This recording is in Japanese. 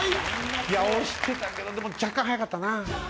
いや押してたけどでも若干早かったな。